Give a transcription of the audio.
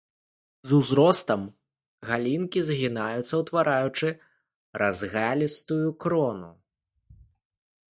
З узростам галінкі згінаюцца, утвараючы разгалістую крону.